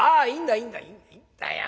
いいんだよ